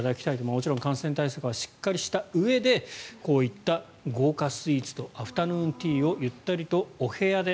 もちろん感染対策はしっかりしたうえでこういった、豪華スイーツとアフタヌーンティーをゆったりとお部屋で！